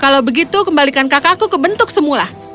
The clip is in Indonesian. kalau begitu kembalikan kakakku ke bentuk semula